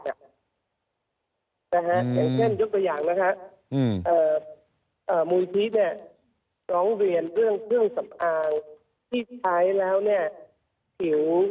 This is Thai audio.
อย่างเช่นยกตัวอย่างนะฮะมูลที่เนี่ยร้องเรียนเรื่องเครื่องสำอางที่ใช้แล้วเนี่ยผิว